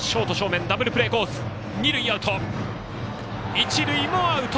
一塁もアウト！